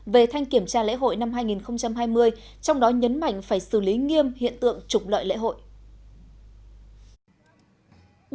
về thanh kiểm tra lễ hội năm hai nghìn hai mươi trong đó nhấn mạnh phải xử lý nghiêm hiện tượng trục lợi lễ hội